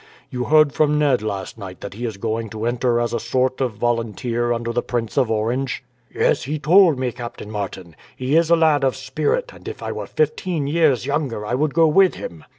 You heard from Ned last night that he is going to enter as a sort of volunteer under the Prince of Orange?" "Yes, he told me, Captain Martin. He is a lad of spirit; and if I were fifteen years younger I would go with him."